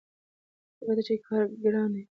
البته چې ګران کار دی په دغه خو هر سړی پوهېږي،